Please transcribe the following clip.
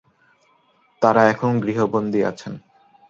তারা এখন গৃহবন্দী আছেন।